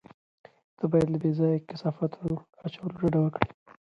ته باید له بې ځایه کثافاتو اچولو ډډه وکړې.